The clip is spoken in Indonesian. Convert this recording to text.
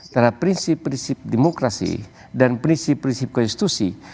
terhadap prinsip prinsip demokrasi dan prinsip prinsip konstitusi